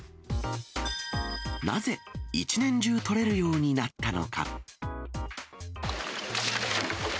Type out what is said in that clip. なぜ一年中、取れるようになったのか。